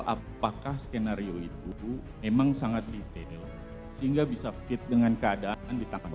apakah skenario itu memang sangat detail sehingga bisa fit dengan keadaan di tangan